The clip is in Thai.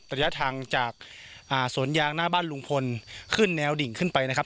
ระยะทางจากสวนยางหน้าบ้านลุงพลขึ้นแนวดิ่งขึ้นไปนะครับ